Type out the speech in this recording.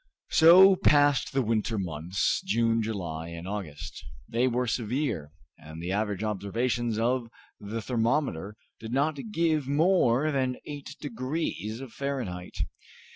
So passed the winter months, June, July, and August. They were severe, and the average observations of the thermometer did not give more than eight degrees of Fahrenheit.